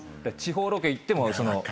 地方ロケ行っても。